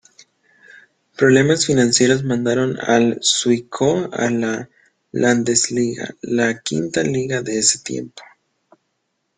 Problemas financieros mandaron al Zwickau a la Landesliga, la quinta liga de ese tiempo.